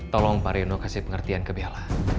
tolong pak reno kasih pengertian ke bella